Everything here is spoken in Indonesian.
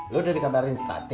lo udah dikabarin si tati